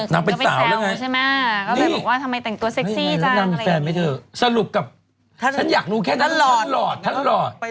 นางเป็นสาวแล้วไง